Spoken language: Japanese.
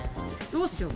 どうしよう。